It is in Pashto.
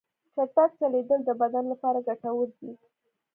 چټک چلیدل د بدن لپاره ګټور دي.